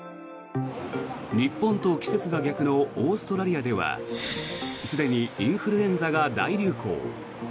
日本と季節が逆のオーストラリアではすでにインフルエンザが大流行。